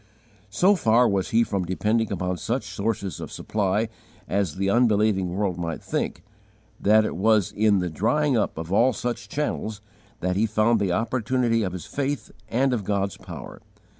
So far was he from depending upon any such sources of supply as the unbelieving world might think, that it was in the drying up of all such channels that he found the opportunity of his faith and of God's power.